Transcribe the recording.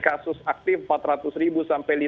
kasus aktif empat ratus sampai